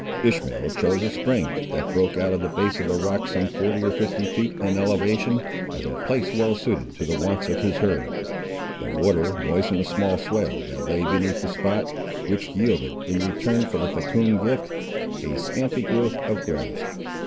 Ishmael chose a spring, that broke out of the base of a rock some forty or fifty feet in elevation, as a place well suited to the wants of his herds. The water moistened a small swale that lay beneath the spot, which yielded, in return for the fecund gift, a scanty growth of grass.